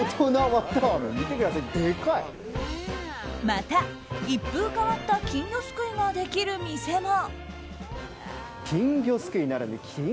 また一風変わった金魚すくいができる店も。